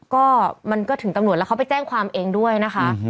ก็มันก็ถึงตำรวจแล้วเขาไปแจ้งความเองด้วยนะคะ